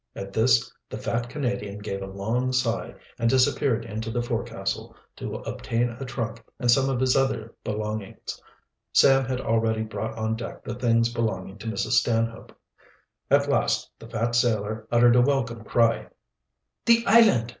At this the fat Canadian gave a long sigh and disappeared into the forecastle, to obtain a trunk and some of his other belongings. Sam had already brought on deck the things belonging to Mrs. Stanhope. At last the fat sailor uttered a welcome cry. "The island!